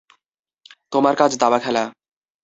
তোমার কাজ দাবা খেলা।